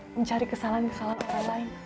mencari kesalahan kesalahan lain